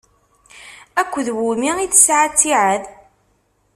Akked wumi i tesɛa ttiɛad?